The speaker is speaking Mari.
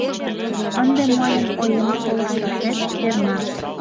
Ынде мыйын оем колышташет перна!..